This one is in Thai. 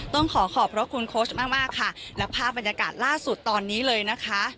ต้องขอขอบพระคุณโค้ชมากมากค่ะและภาพบรรยากาศล่าสุดตอนนี้เลยนะคะ